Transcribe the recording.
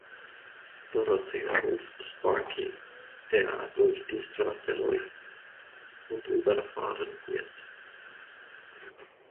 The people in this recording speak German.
Dorothy ruft Sparky, der durch die Straße läuft und überfahren wird.